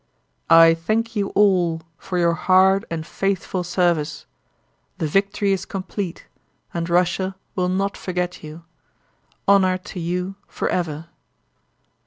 "I thank you all for your hard and faithful service. The victory is complete and Russia will not forget you! Honor to you forever."